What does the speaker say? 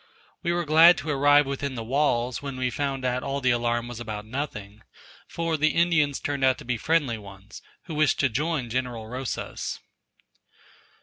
We were glad to arrive within the walls, when we found all the alarm was about nothing, for the Indians turned out to be friendly ones, who wished to join General Rosas.